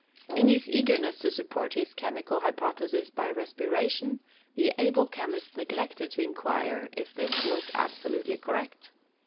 In his eagerness to support his chemical hypothesis of respiration, the able chemist neglected to enquire if this was absolutely correct.